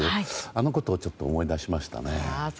あれを思い出しましたね。